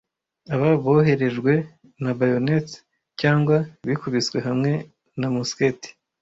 Aba boherejwe na bayonets cyangwa bakubiswe hamwe na musketi,